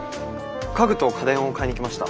家具と家電を買いに来ました。